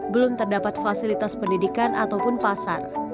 belum terdapat fasilitas pendidikan ataupun pasar